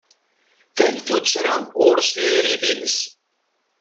Tal tuttra ɣur-s tiririt-ines.